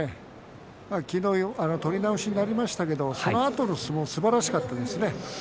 昨日、取り直しになりましたけどそのあとの相撲すばらしかったですね。